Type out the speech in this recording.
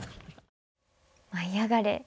「舞いあがれ！」